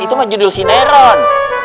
itu kan judul si neron